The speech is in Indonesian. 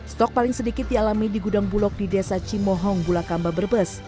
stok paling sedikit dialami di gudang bulog di desa cimohong bulakamba berbes